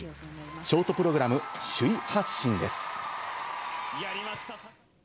ショートプログラム首位発進です。